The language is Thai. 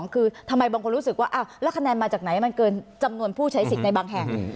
คือทำไมบางคนรู้สึกว่าแล้วคะแนนมาจากไหนมันเกินจำนวนผู้ใช้สิทธิ์ในบางแห่ง